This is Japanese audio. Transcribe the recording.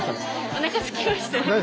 おなかすきました。